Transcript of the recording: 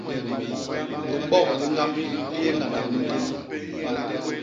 Libok li ñgambi li yé ñgandak mintén.